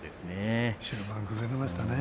終盤、崩れましたね。